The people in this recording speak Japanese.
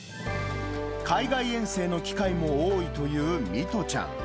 海外遠征の機会も多いという弥都ちゃん。